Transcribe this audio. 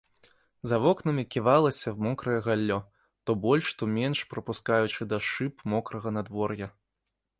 За вокнамі ківалася мокрае галлё, то больш, то менш прапускаючы да шыб мокрага надвор'я.